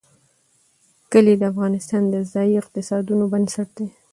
کلي د افغانستان د ځایي اقتصادونو بنسټ دی.